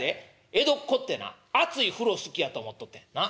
江戸っ子ってな熱い風呂好きやと思っとってんな？